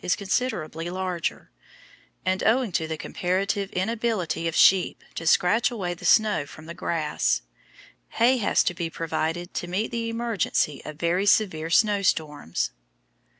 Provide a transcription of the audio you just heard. is considerably larger, and owing to the comparative inability of sheep to scratch away the snow from the grass, hay has to be provided to meet the emergency of very severe snow storms.